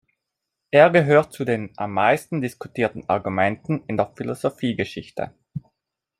Er gehört zu den am meisten diskutierten Argumenten in der Philosophiegeschichte.